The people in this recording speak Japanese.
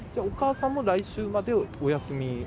お母さんも来週までお休み？